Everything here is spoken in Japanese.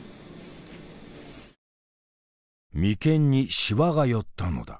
眉間にしわが寄ったのだ。